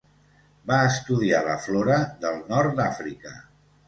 Va estudiar la flora del nord d'Àfrica.